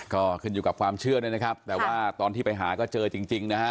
ก็ขึ้นอยู่กับความเชื่อด้วยนะครับแต่ว่าตอนที่ไปหาก็เจอจริงนะฮะ